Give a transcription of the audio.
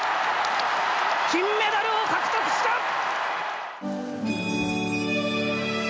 金メダルを獲得した！